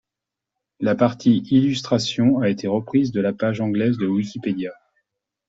La partie Illustrations a été reprise de la page anglaise de Wikipedia.